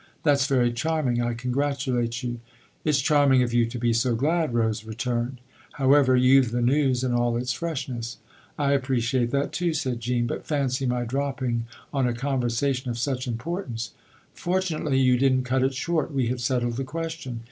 " That's very charming I congratu late you." " It's charming of you to be so glad," Rose returned. " However, you've the news in all its freshness." " I appreciate that too," said Jean. " But fancy my dropping on a conversation of such impor tance !"" Fortunately you didn't cut it short. We had settled the question.